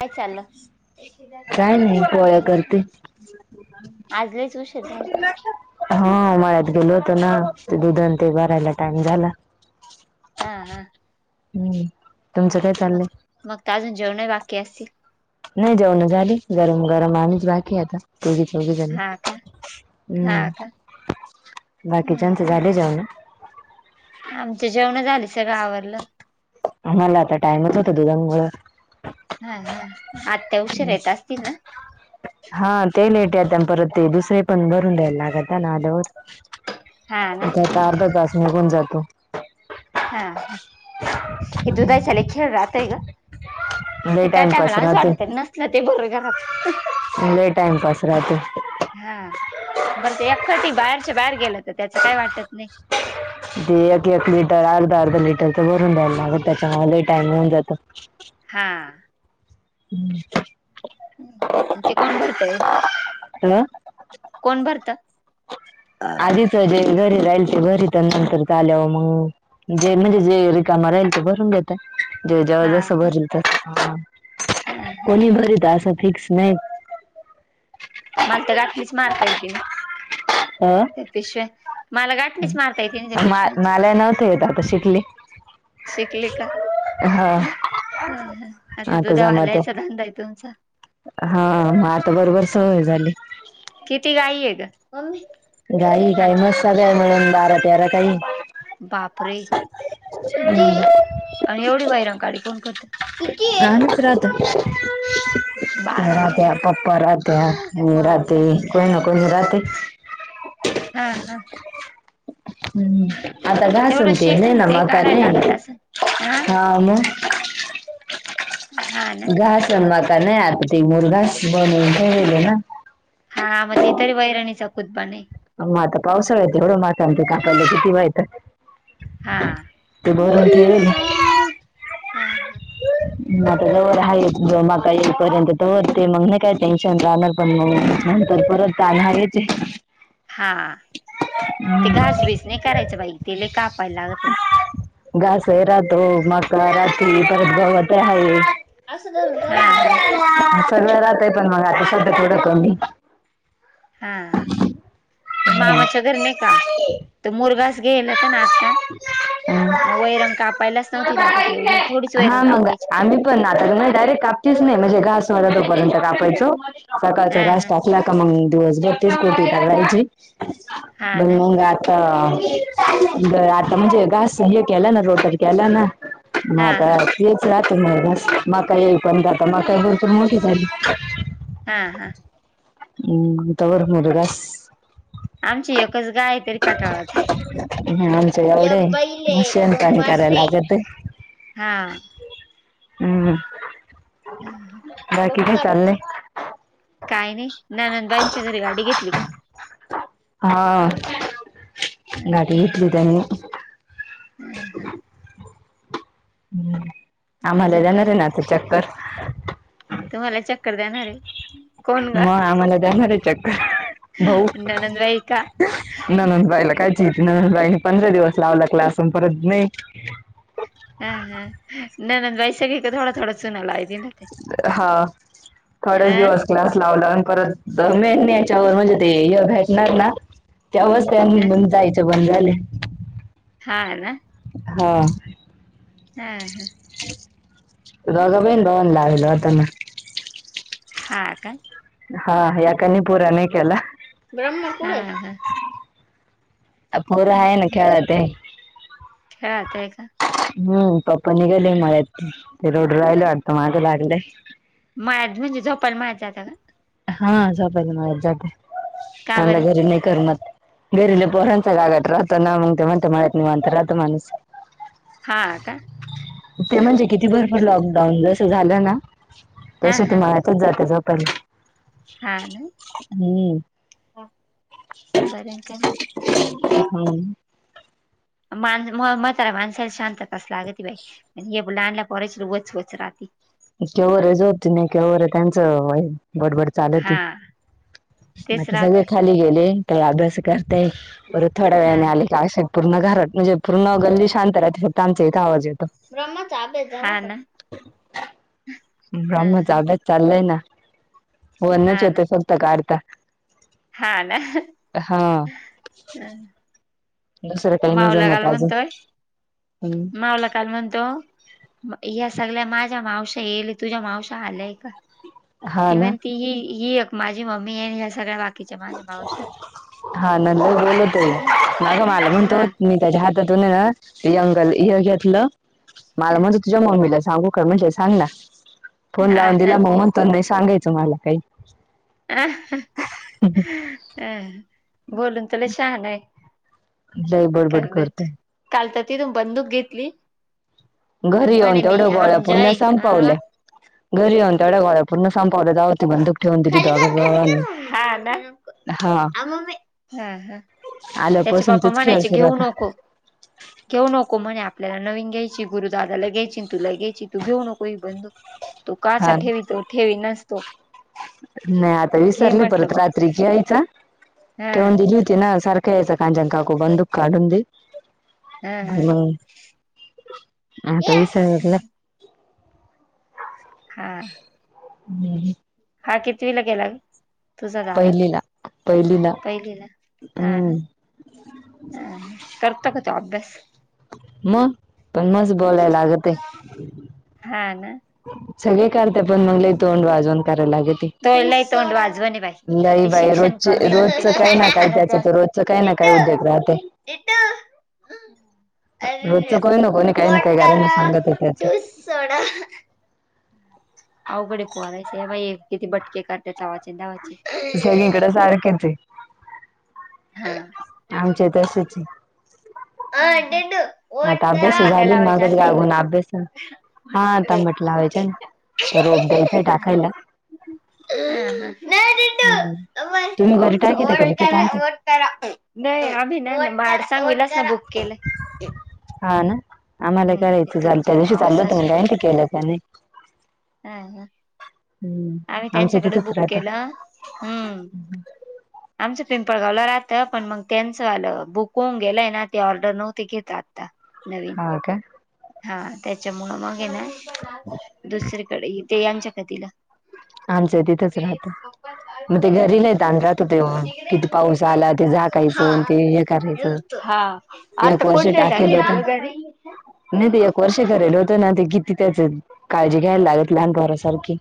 काय चाललं? यन पया करते. आज लईच हा म उशीर झाला. [unintelligible] गेलो होत ना दुधन ते भरायला टाइम झाला. हा हा हम्म तुमचं काय मग चाललंय? मग त अजून जेवणं बाकी असतील. नाही जेवणं झाली गरम गरम आमीच बाकी आता तूमी चौघीजणी हा का हा हम्म. का बाकीच्याचे झाले जेवणं. आमचे जेवणं झाली सगळ आवरलं. मलात टाइमच होत दुधांमुळे हा हा. आत्या उशीरा येत असतील ना? हा ते लेट येत परत ते दुसरे. पण बरून द्यायला लागता ना हा ना [unintelligible] अर्ध तास निघून जात. [unintelligible] हा हे दुधाच्या लय खेळ राहतेय ग. लय ते काय टाइमपास टायमला राहतो [unintelligible] नसलं ते बरो घरात लय टाइमपास राहतो. हा बरं ते एखाटी बाहेरच्या बाहेर गेलं तर त्याच काय वाटत नाही. ते एक एक लिटर अर्धा अर्धा लिटरच भरून द्या ना अग त्याच्या मलाही टाइम होऊन जात. हा. हम्म. ते कोण भरत व हम. कोण भरत अ आधीच जे घरी राहिल ते घरी तर नंतर झाल्यावर मग जे म्हणजे जे रिकाम राहील ते भरून घेते. जेव जेव्हा हा जसं का भरत कोणी भरीत असं. फिक्स नाही. मलत ग अटनीच मारतायदिन अ त्या पिशव्या मला गाठणीच मारता येते नाही त्या मा पिशव्यांचे मला नव्हतं येत आता शिकले शिकली का हा ह आता दुधा वालायचा धंदा आहे तुमचा? हा आता बरोबर सवय झाली. ह. गाई कााई मस्त बय म्हणून बारा तेरा काही बापरे किती आणि एवढी वैरंग काडी कोण करत कान करात हाय ते रात्या पप्पपा रात्या आणि राते मामा कोय ना कोय राते हा हा हम् आता तेवढं घासून ते शेण नाही आणि ना मका काढायला नाही ना लागत असं हा मग हा ना घास अनवा का नाही आता तेी मुल घास बनवून ठेलेले ना हा मग ते तरी वैरणी चकूत बणे मात पावसाळ येत एवढ माता आणते काकायला कतीिवा येतं हा ब ह ठेवेल ह आता ज आहे जमा का येईपर्यंत दते मग नाही काय टेन्शन राहणार पण मग तर परत आलणार आहेच हा ते घासबीस नाही करायच बाई तला कापायला लागत घास आहे राहातो मका रात्री पात गवत आहे असं हा हा सगळं राहतंय पण मग आता शध थोडं कमी हा ते मामाच्या घर नाही का तर मुर्गा ग येलता ना आता म व वैरण अपायलाच नव लागत त एवढ ोडी सोय वैरण हा अपयच च नाही म्हणे घासवा य टाकायचो सकाकारचा हा का हा टाकला का मग दिवस बत्तीस कोटी टयची हा ना बंगा त बर आता म्हणजे घास हे केला ना रोटरी केला ना हा ह हा तर तेच राहते म म काय येई पण दता म काय होल त मोठ झाली हा हा हम्म तगोड मर ग आमची एकच गाय तरी कटाळात आमचं एवढे एक बैल आहे शिन दोन पाणी वासरे करायला आहे लागत हा हम्म बाकी काय बुटकट चालले काय नाही नानांदबाईंच्या घरी गाडी घेतली का हा गाडी इेतली तणे हम्म हम् हम्म आम्हाला अजून जाणार काय रे ना अस चक्करकर तुम्हाला चक्कर देणार आहे कोण ग मग आम्हाला जा भाऊ ननंदबाई का ननंद बाईला काय न बाई पंधरा दिवस लावला क्लासून परत नही. हं हं नणंदबाई सगळीकडे थोडा थोडा चूना लाविल. हा. थोडच अ दिवस क्लास लावला परत मेन यांच्यावर म्हणजे [unintelligible] नाही ना, त्यावर त्या जायच बंद झाले. हा आहे ना. हा हा हा [unintelligible] लागेला व्हताना. हा का? हा यकाने पुरा नही केला. ब्रम्हपूरये? हं हं. पोरं आहेत ना खेळायत्या. काय होतंय? का हम्म पप्पा निघाले मळ्यात, रडू राहिलं वाटतं माग लागलंय. मळ्यात म्हणजे झोपायला मळ्यात जातात का? हां [unintelligible] मळ्यात जात्यात, का त्याणला बरं घरी नाही करमत. घरी लई पोरांचा गागाट राहतो ना. मग ते म्हणतात मळ्यात निवांत राहतो माणूस. हा का ते म्हणजे किती भरपूर? लॉकडाऊन जसं झालं ना हा तशे ते हा माळ्यातच जाता झोपयला. हम्म. बरंय का ना? हम्. माण म्हताऱ्या माणसाला शांतताच लागती बाई. अन हे लहानल्या पोरांची वच वच राहती. केवरहि झोपती नाही, केवरही त्यांचं व्हय गडबड चालती. हा तेच आता सगळे राहतय खाली गेले काही अभ्यासं करताय. बरं थोड्या हा वेळाने हा आले का अशा पूर्ण घरात म्हणजे पूर्ण गल्ली शांत राहते. फक्त आमच्या इथं आवाज येतो. ब्रम्हचा अभ्यास झाला का? हा ना. ब्रह्मचा हा अभ्यास चाललाय ना. हो ना जते फक्त काढता. हा ना. हा हम्म. दुसरं काही नाही जमत आजून. मावला काल म्हणतो. या सगळ्या माझ्या मावश्या येयेल. तुझ्या मावशा आल्याय का? हा ती ना म्हणती हि एक माझी मम्मी आहे. ह्या सगळ्या बा हा नंतर बोलतोय. ना गं मला म्हणतो हा होत मी त्याच्या हात त्यातून ना यंगल हय घेतलं, माल म्हणतो तुझ्या मम्मीला सांगू का? म्हणले सांग ना. फोन हा लावून ना दिला, मग म्हणतो नाही सांगायचं मला काही. अं अहं, बोलून त लई शाहना ये. लय बडबड करु देत. करतोय काल तर तिथून बंदूक घेतली. आणि घरी येऊन म्हणे तेवढ्या मी गोळ्या हमजा पूर्ण आहे हा संपावल्या. घरी येऊन तेवढ्या गोळ्या पूर्ण संपावल्या तेव्हा ती बंदूक ठेवून दिली खाली दोघा कर, खाली कर भावांनी ना. हा ना. हा आ मम्मी, हं हं. त्याचे आल्यापासून पप्पा तेच खेळ म्हणायचे सुरू घेऊ आता नको, घेऊ नको म्हणे आपल्याला नवीन घ्यायची, गुरु दादाला घ्यायची, तुला घ्यायची, तू घेऊ नको हि बंदुक. तू का आसा हा ठेवी तो, ठेवी नास तो. नाही आता विसारले परत. रात्री घ्यायचा, हा ठेवून दिली होती ना सारख कायचा कांज्या अन काकु बंदुक काढून देऊ. हा हं आता विसरला. हा. [unintelligible] हा कितवीला गेला गं तुझा दादा पहिलीला पहिलीला पहिलीला हा हम्म ना ह करतो का तो अभ्यास मग पण मस बोलाय लागते. हा ना सगळे काढते पण मंगलई तोंड वाजवन काढते. तो लय ए तोंड वाजवान ये लई ते बाई शिक्षण रोजचे कमी अन त्याच रोजचं काही ना काही तोंड वाजवनच त्याच तर जास्त रोजचं काही ना काही उद्योग राहते हाय एटा ह रोजचं कोणी ना कोणी अल् काही ना ओट काही घरांना करा सांगत आहे त्याच डूस सोडा अवघडे पोहालायच बा किती बटके कर त्याचा वाचेन द्यावा सगळीकडे सारखेन चय हा आमचे तसेचय ह अडड आता अभ्यास झाली मगच रागून अभ्यास हाता म्हटलंवायच ना रोप द्यायचांय टाकायला नाय डिडू हम्म. होतड तुम्ही घरी आमचं टाकीता का होतंय कय विकत आणता होतड-होतड नाही आम्ही नाही माडसां विलासन बुक केला हा ना आम्हाला करायचं चाल त्या दिवशी चाललं होत म काय सासूकडं ते केलं त्याने हा हा आम्ही आमचं त्यांच्याकडेच तिथंच बुक राहतं केलं. हम्म आमचं पिंपळगावला राहंत पण मग त्यांचं आलं बुकवून गेलंय ना ते ऑर्डर नव्हती घेत आता नवीन हो काय हा त्याच्यामुळं मग ये ना दुसरीकडे ते यांच्या कधीला आमचं ही तिथंच राहतं मग ते हम्म. घरीला तांढ रात होते मग किती पाऊस आला ते झाकायच हा ते हे करायचं येतो. हा आता एक वर्ष कोण नाही टाकेल राहतेय होतं गं ना घरी नाही ते एक वर्ष करायल होतं ना ते किती त्याच काळजी घ्यायला लागत लहानपोरां सारखी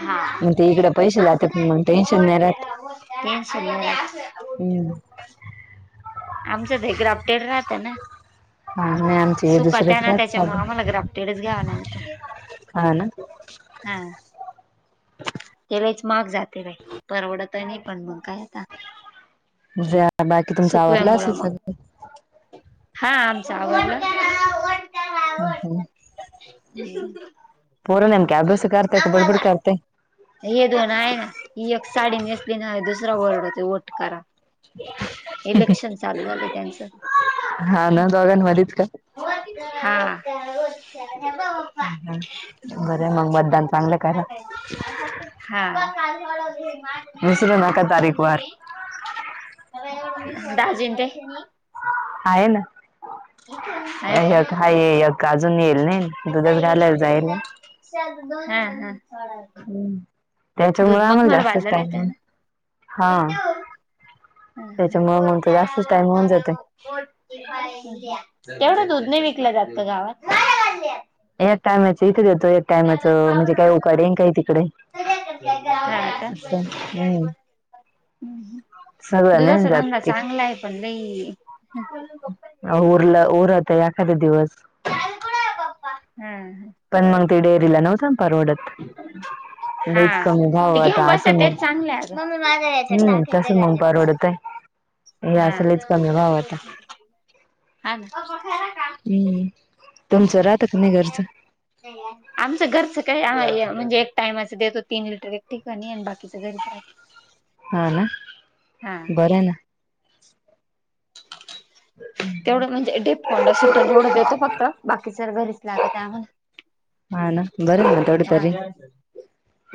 हा असं नाही असं नाही मग टेन्शन ओट नाही राहत करा ओट करा न अस ओट हम्म करा आमचं ते ग्राफ्टेड राहतं ना हा नाही आमचे हे सुका दुसरेच त्या ना राहत त्याच्या म चालू आम्हाला ग्राफ्टेडच घ्याव लागतं हा ना हम तेलाच माग जाते बाई परवडत नाही पण मग काय आता जा बाकी तुमचं सुकव्या आवरलं मुळं असेल मग हा आमच आवडला. हम हा पोरं नमक्या अब्यास करतेय का बडबड आम्हाला करतेय हे दोन आहे ना ही एक साडी नेसली ना दुसरा वरडतोय ओट कारा इलेक्शन चालू झालंय त्यांचं हा ना दोघांमध्येच का ओट करा ओट करा हा घर मग बदान चांगलं करा हा आ माझ मी विसरू नका आढवले तारीख वार हे बगा एव्हडं आणी भाजीन ते आहे ना का हा अ य हा ये य अजून येईल नाही दुधास घालायला जायला हा हा दुध त्याच्यामुळे मग आम्हाला मला जास्तच वाडलाला आहे टाइम त्याना हा हा- हा त्याच्यामुळे ओट मग तो करा जास्तच ओट टाइम होऊन करा जातोय ओटची फाईल द्या. चल केवढं दूध नाही विकलं जात का गावात याक टायमाच इथं देतो एक टायमाचं म्हणजे काही उकाडेन काही तिकडे हा का असं ह-ह हम्म सगळं दुधाचा नाही जात रंगा ते चांगला आहे पण लई उरलं उरत एखादा दिवस हम् पण मंग ते डेरीला नव्हतं ना परवडत हा लईच कमी भाव ते घेऊन आता बसतात असं मग तेच चांगल आहे हम्म तसं मग अग परवडत आहे हे असलेच कमी व्हाव आता हा का हम्म तुमचं राहतं क नाही घरचं आमचं घरचं काय म्हणजे एक टाइमाच देतो तीन लिटर एक ठिकाणी आणि बाकीच घरीच ह हा ना बरं ना तेवढं म्हणजे डेिपकोंडा सुटला एवढं देतो फक्त बाकीच घरीच लागत आम्हाला हा ना बर ना तेवढं हा तरी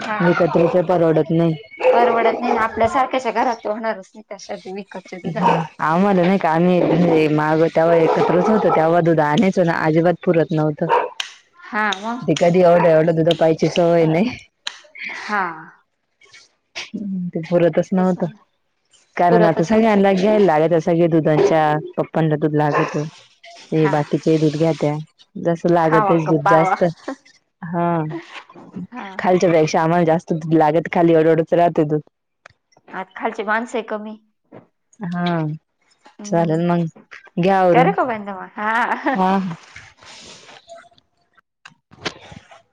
हा. विकत [unintelligible] परवडत. नाही परवडत नाही ना आपल्या सारख्याच्या घरात टर होणारच नाही त्याशात बी ह आम्हाला नाही का आम्ही [unintelligible] माग तवा एकत्रच होतो तेवा दूध आणायचो ना अजिबात पुरत नव्हतं. हा ते मग कधी एवढं एवढं दुध पाहायची सवय नाही. हा ते पुरतच तेच नव्हतं म्हणा कारण आता पुरतच सगळ्यांना नव्हतं घ्यायला लागत अस सगळे दुध आणि चहा प पप्पाना दूध लागत हे हा बाकीचे ही दूध घेत्या जसं खावा लागतच का दूध पावा जास्त हा हा खालच्या पेक्षा आम्हला जास्त दुध लागत खाली एवढं एवढं राहत दूध आत खालचे माणस ये कमी हा हम्म चालेल मग घ्या आवरून करू का बंद मग हा